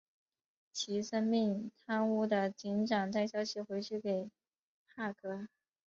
齐森命贪污的警长带消息回去给柏格。